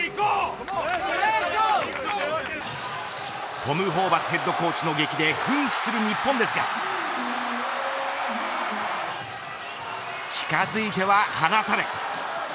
トム・ホーバスヘッドコーチのげきで奮起する日本ですが近づいては離され。